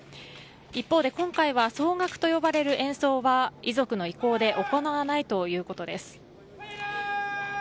一方で今回は奏楽といわれる演奏は遺族の意向で行わないということです。